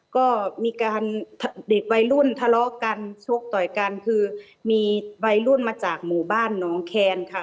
ก็มีการเด็กวัยรุ่นทะเลาะกันชกต่อยกันคือมีวัยรุ่นมาจากหมู่บ้านน้องแคนค่ะ